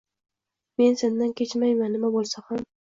Men sendan kechmaiman nima bulsa xam